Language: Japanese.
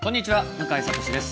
向井慧です。